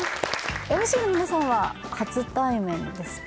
ＭＣの皆さんは初対面ですか？